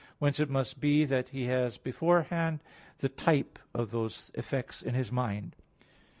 Whence it must be that He has beforehand the type of those effects in His mind.